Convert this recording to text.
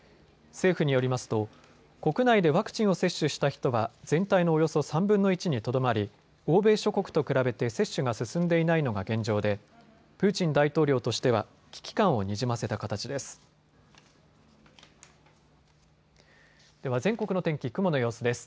政府によりますと国内でワクチンを接種した人は全体のおよそ３分の１にとどまり欧米諸国と比べて接種が進んでいないのが現状でプーチン大統領としては危機感をにじませた形です。